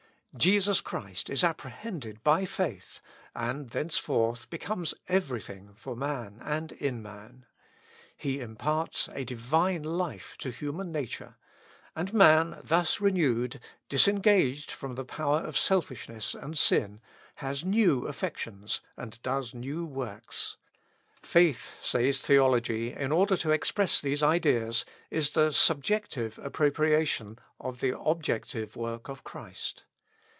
Jesus Christ is apprehended by faith, and thenceforth becomes every thing for man, and in man. He imparts a divine life to human nature; and man thus renewed, disengaged from the power of selfishness and sin, has new affections, and does new works. Faith (says Theology, in order to express these ideas) is the subjective appropriation of the objective work of Christ.